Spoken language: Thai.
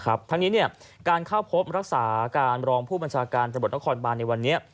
อันนี้เนี่ยการเข้าพบรักษาการรองผู้บัญชาการประบบนครบันในวันนี้